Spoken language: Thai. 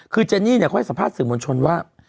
คือเจนี่เขาให้สัมภาษณ์สื่อมวลชนว่า